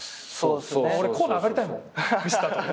俺コーナーあがりたいもんミスった後。